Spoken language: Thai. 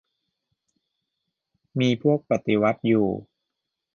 มีพวกปฏิวัติอยู่